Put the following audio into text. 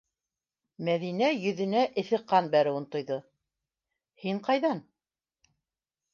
- Мәҙинә йөҙөнә эҫе ҡан бәреүен тойҙо, - һин ҡайҙан?..